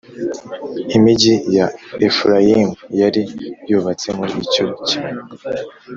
imigii ya Efurayimu yari yubatse muri icyo kibaya